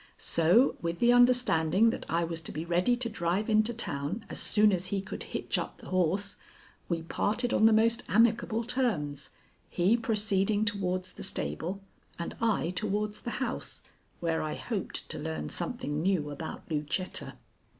So with the understanding that I was to be ready to drive into town as soon as he could hitch up the horse, we parted on the most amicable terms, he proceeding towards the stable and I towards the house, where I hoped to learn something new about Lucetta.